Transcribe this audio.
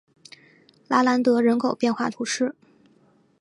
拉兰德人口变化图示